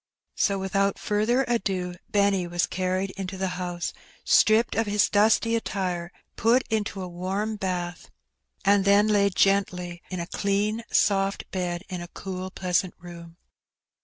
'■" So without further ado Benny was carried into the liouse, stripped of bis dusty attire, put into a warm bath, and then I 220 Her Benny. j laid gently in a clean soft bed^ in a cool pleasant room.